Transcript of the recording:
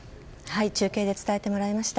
中継で伝えてもらいました。